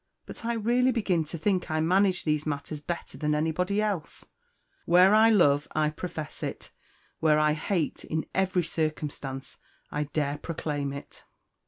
But I really begin to think I manage these matters better than anybody else 'Where I love, I profess it: where I hate, in every circumstance I dare proclaim it.'"